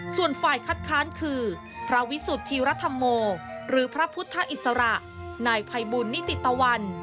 ส่วนฝ่ายคัดค้านคือพระวิสุทธิรัฐโมหรือพระพุทธอิสระนายภัยบุญนิติตะวัน